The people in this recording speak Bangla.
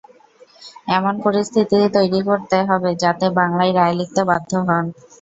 এমন পরিস্থিতি তৈরি করতে হবে যাতে বাংলায় রায় লিখতে বাধ্য হন।